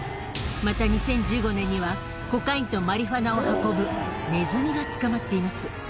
また、２０１５年には、コカインとマリファナを運ぶネズミが捕まっています。